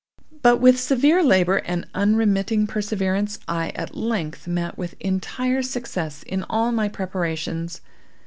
But, with severe labor and unremitting perseverance, I at length met with entire success in all my preparations.